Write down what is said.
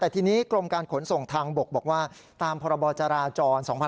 แต่ทีนี้กรมการขนส่งทางบกบอกว่าตามพรบจราจร๒๕๖๒